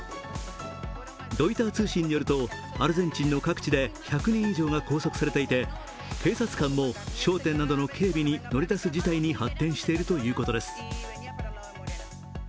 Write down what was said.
ロイター通信によると、アルゼンチンの各地で１００人以上が拘束されていて警察官も商店などの警備に乗り出す事態に発展しているということです。